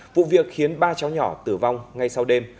vụ việc khiến ba cháu nhỏ tử vong ngay sau đêm